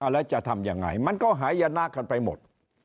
แล้วจะทำยังไงมันก็หายนะกันไปหมด